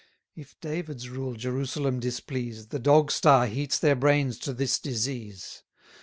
If David's rule Jerusalem displease, The dog star heats their brains to this disease.